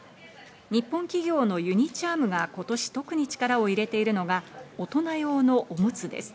日本企業のユニ・チャームが今年、特に力を入れているのが、大人用のオムツです。